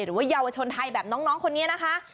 หรือว่าเยาวชนไทยแบบน้องคนนี้นะคะ